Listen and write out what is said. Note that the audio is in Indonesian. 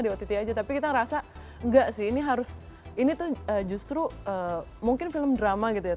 di ott aja tapi kita ngerasa enggak sih ini harus ini tuh justru mungkin film drama gitu ya